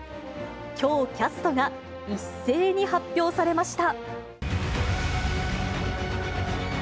きょう、キャストが一斉に発表されました。